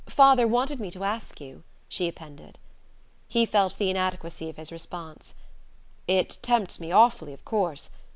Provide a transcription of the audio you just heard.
Father wanted me to ask you," she appended. He felt the inadequacy of his response. "It tempts me awfully, of course.